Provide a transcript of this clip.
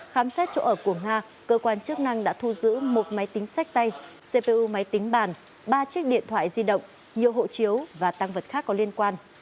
khám xét chỗ ở của nga cơ quan chức năng đã thu giữ một máy tính sách tay cpu máy tính bàn ba chiếc điện thoại di động nhiều hộ chiếu và tăng vật khác có liên quan